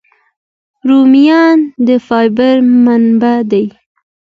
رومیان د فایبر منبع دي